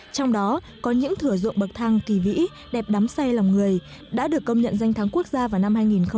trong đó có những thửa dụng bậc thang kỳ vĩ đẹp đắm say lòng người đã được công nhận danh thắng quốc gia vào năm hai nghìn bảy